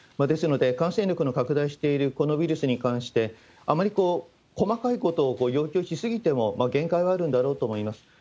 ですので、感染力の拡大しているこのウイルスに関して、あまり細かいことを要求し過ぎても限界はあるんだろうと思います。